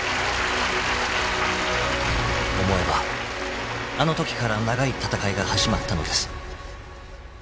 ［思えばあのときから長い闘いが始まったのです］